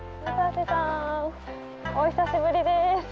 お久しぶりです。